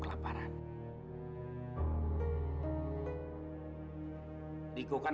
terima kasih mas